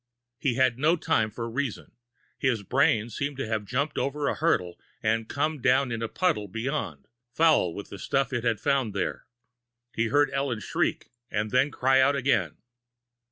He had no time for reason. His brain seemed to have jumped over a hurdle and come down in a puddle beyond, foul with the stuff it had found there. He heard Ellen shriek, and then cry out again.